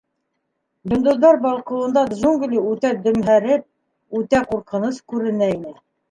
Йондоҙҙар балҡыуында джунгли үтә дөмһәреп, үтә ҡурҡыныс күренә ине.